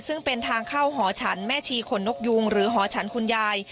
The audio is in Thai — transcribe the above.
ซึ่งเป็นทางเข้าหอฉันแม่ชีขนนกยูงหรือหอฉันคุณยาย